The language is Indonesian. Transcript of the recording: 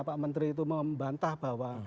pak menteri itu membantah bahwa